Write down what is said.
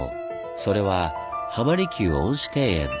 それは浜離宮恩賜庭園。